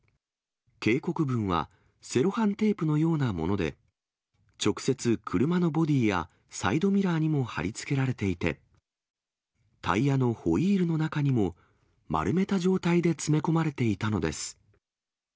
警告文はセロハンテープのようなもので直接車のボディやサイドミラーにも貼り付けられていて、タイヤのホイールの中にも、丸めた状態で詰め込まれていたのです。